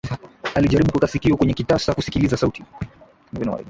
Alijaribu kuweka sikio kwenye kitasa kusikilizia sauti